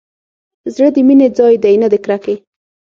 زړه د مينې ځاى دى نه د کرکې.